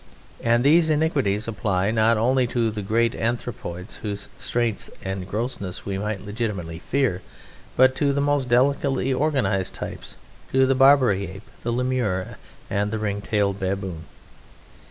And these iniquities apply not only to the great anthropoids whose strength and grossness we might legitimately fear, but to the most delicately organized types to the Barbary Ape, the Lemur, and the Ring tailed Baboon.